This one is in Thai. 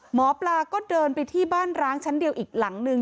หมอปลาก็เดินไปที่บ้านร้างชั้นเดียวอีกหลังนึง